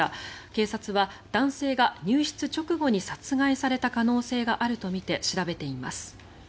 警察は男性が入室直後に殺害された可能性があるとみて調べています。